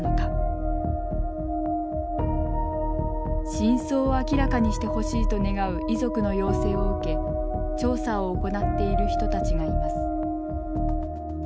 真相を明らかにしてほしいと願う遺族の要請を受け調査を行っている人たちがいます。